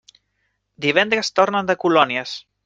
Divendres tornen de colònies.